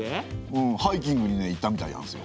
うんハイキングにね行ったみたいなんですよ。